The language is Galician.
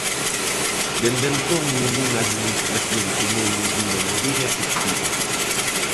Dende entón, ningunha administración tomou ningunha medida efectiva.